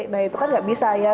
nah itu kan nggak bisa ya